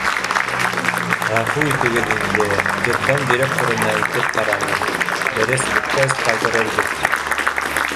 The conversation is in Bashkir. — Ғәфү итегеҙ инде, детдом директорына әйтеп ҡараным, дәрес бөткәс ҡайтарырбыҙ тип.